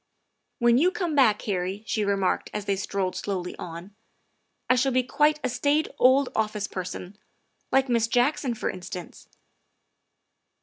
'' When you come back, Harry, '' she remarked as they 46 THE WIFE OF strolled slowly on, "I shall be quite a staid old office person like Miss Jackson, for instance.